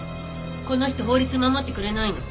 この人法律守ってくれないの。